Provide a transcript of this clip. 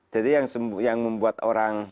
jadi yang membuat orang